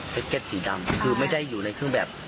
แป๊บแก้วสีดำคือไม่ได้อยู่ในเครื่องแบบ